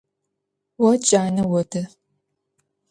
О джанэ оды.